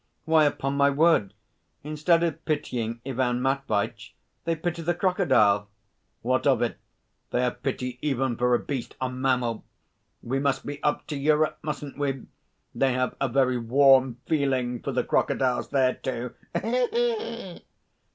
"Why, upon my word! Instead of pitying Ivan Matveitch, they pity the crocodile!" "What of it? They have pity even for a beast, a mammal. We must be up to Europe, mustn't we? They have a very warm feeling for crocodiles there too.